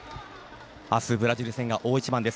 明日、ブラジル戦大一番です。